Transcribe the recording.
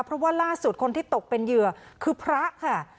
เพราะว่าล่าสุดคนที่ตกเป็นเหยื่อคือพระค่ะ